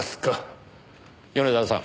米沢さん